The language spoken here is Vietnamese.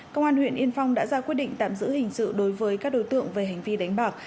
công an huyện yên phong đã ra quyết định tạm giữ hình sự đối với các đối tượng về hành vi đánh bạc